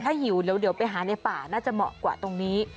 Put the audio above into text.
ถ้าหิวเดี๋ยวไปหาในป่าน่าจะเหมาะกว่าตรงนี้